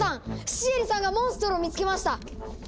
シエリさんがモンストロを見つけました！